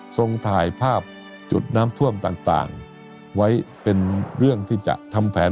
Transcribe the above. ส่งถ่ายภาพจุดน้ำท่วมต่างไว้เป็นเรื่องที่จะทำแผน